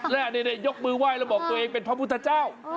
และนี่ยกมือไหว้แล้วบอกตัวเองเป็นพระพุทธเจ้า